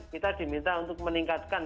kita diminta untuk meningkatkan